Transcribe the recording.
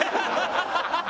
ハハハハ！